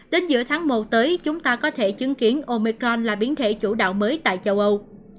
đến giữa tháng một tới chúng ta có thể chứng kiến omecron là biến thể chủ đạo mới tại châu âu